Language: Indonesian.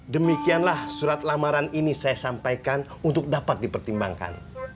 demikianlah surat lamaran ini saya sampaikan untuk dapat dipertimbangkan